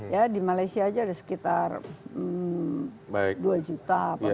ya di malaysia aja ada sekitar dua juta